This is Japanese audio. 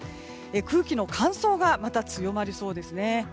空気の乾燥がまた強まりそうですね。